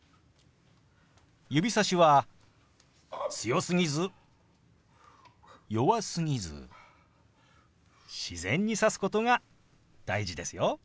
指さしは強すぎず弱すぎず自然に指すことが大事ですよ。